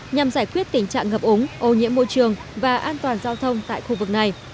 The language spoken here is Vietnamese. nhằm giải quyết tình trạng ngập ống ô nhiễm môi trường và an toàn giao thông tại khu vực này